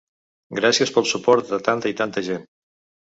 Gràcies pel suport de tanta i tanta gent.